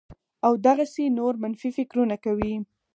او دغسې نور منفي فکرونه کوي